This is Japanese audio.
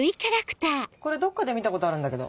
これどっかで見たことあるんだけど。